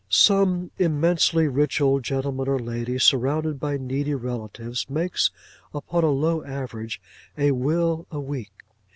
Some immensely rich old gentleman or lady, surrounded by needy relatives, makes, upon a low average, a will a week.